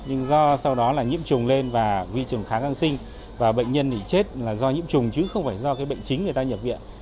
nhưng do sau đó là nhiễm trùng lên và vi trùng kháng kháng sinh và bệnh nhân thì chết là do nhiễm trùng chứ không phải do bệnh chính người ta nhập viện